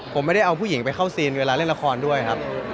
ผมไม่ได้เอาผู้หญิงไปเข้าซีนเวลาเล่นละครด้วยครับ